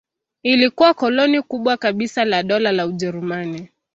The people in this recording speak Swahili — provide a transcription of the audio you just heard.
Ilikuwa koloni kubwa kabisa la Dola la Ujerumani.